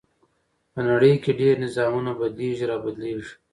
په نړۍ کې ډېر نظامونه بدليږي را بدلېږي .